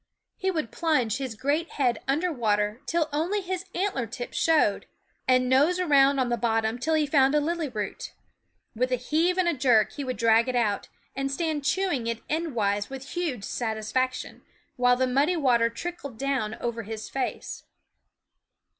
He would plunge his great head under water till only his antler tips showed, and nose around on the bottom till he found a lily root. With a heave and a jerk he would drag it out, and stand chewing it endwise with huge satisfaction, while the muddy water trickled down over his face.